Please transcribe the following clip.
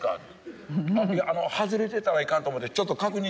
いや外れてたらいかんと思ってちょっと確認してました。